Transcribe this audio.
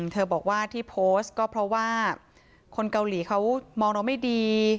เธอบอกว่าที่โพสต์ก็เพราะว่าคนเกาหลีเขามองเราไม่ดี